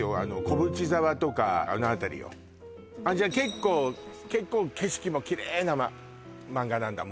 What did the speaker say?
小淵沢とかあの辺りよじゃ結構結構景色もきれいなマンガなんだ